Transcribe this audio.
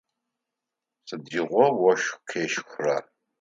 Сыдигъо ощх къещхра?